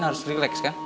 harus relax kan